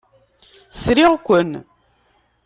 Sriɣ-ken.